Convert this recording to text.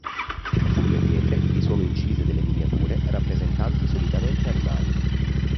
Sulle pietre vi sono incise delle miniature rappresentanti solitamente animali.